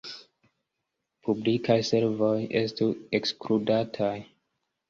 Publikaj servoj estu ekskludataj.